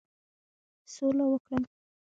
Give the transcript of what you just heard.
سوله وکړم.